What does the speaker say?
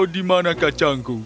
di mana kacangku